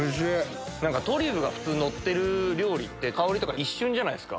なんかトリュフが普通、載ってる料理って、香りとか一瞬じゃないですか。